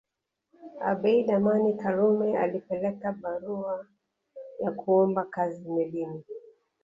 Abeid Amani Karume alipeleka barua ya kuomba kazi melini